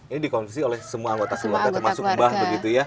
ini dikonsumsi oleh semua anggota keluarga termasuk mbah begitu ya